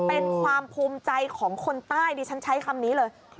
เป็นความภูมิใจของคนใต้ดิฉันใช้คำนี้เลย